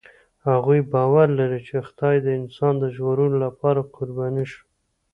هغوی باور لري، چې خدای د انسان د ژغورلو لپاره قرباني شو.